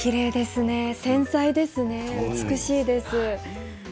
繊細ですね、美しいです。